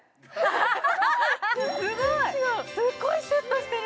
すっごいシュッとしてる。